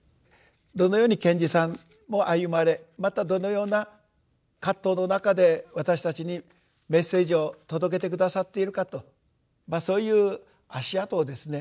どのように賢治さんも歩まれまたどのような葛藤の中で私たちにメッセージを届けて下さっているかとそういう足跡をですね